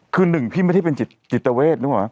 คือหนึ่งพี่ไม่ได้เป็นจิตเวทย์